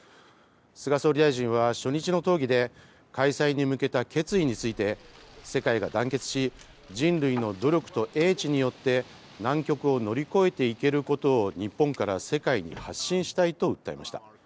菅総理大臣は、初日の討議で、開催に向けた決意について、世界が団結し、人類の努力と英知によって、難局を乗り越えていけることを、日本から世界に発信したいと訴えました。